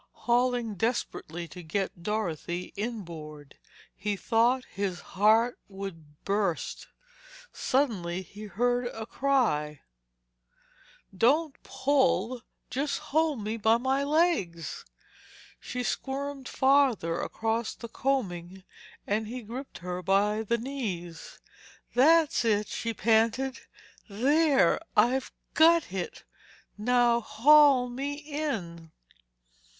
Hauling desperately to get Dorothy inboard, he thought his heart would burst. Suddenly he heard her cry: "Don't pull! Just hold me by my legs." She squirmed farther across the coaming and he gripped her by the knees. "That's it," she panted. "There—I've got it! Now haul me in."